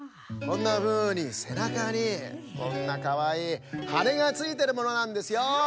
こんなふうにせなかにこんなかわいいはねがついてるものなんですよ。